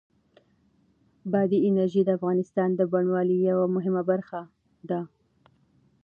بادي انرژي د افغانستان د بڼوالۍ یوه مهمه برخه ده.Shutterstock